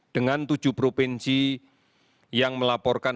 dengan tujuh provinsi yang melaporkan